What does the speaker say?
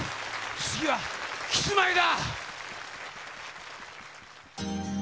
次はキスマイだ！